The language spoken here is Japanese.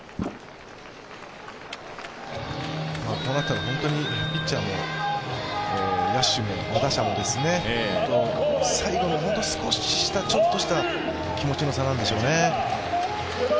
こうなったら本当にピッチャーも野手も打者も、最後のちょっとした気持ちの差なんでしょうね。